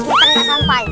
sampai gak sampai